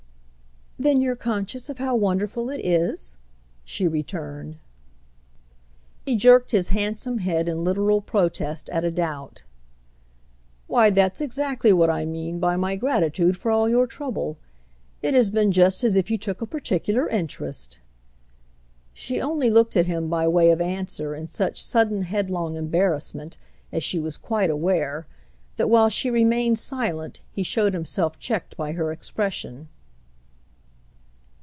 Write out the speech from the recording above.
"Then you're conscious of how wonderful it is?" she returned. He jerked his handsome head in literal protest at a doubt. "Why that's exactly what I mean by my gratitude for all your trouble. It has been just as if you took a particular interest." She only looked at him by way of answer in such sudden headlong embarrassment, as she was quite aware, that while she remained silent he showed himself checked by her expression.